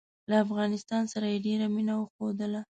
له افغانستان سره یې ډېره مینه وښودله.